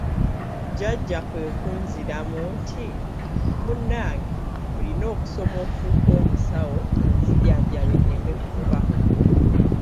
Jjajja kwe kunziramu nti: "Munnange olina okusoma ofuuke omusawo onzijanjabe nneme kufa."